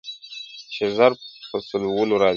چې زر په سؤلو راځي